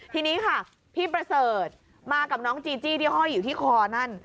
ทีนี้ค่ะพี่ประเสริฐมากับน้องจีจี้ที่ห้อยอยู่ที่คอนั่น